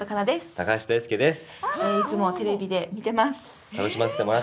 高橋大輔です。